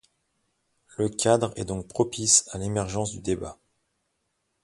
Le cadre est donc propice à l'émergence du débat.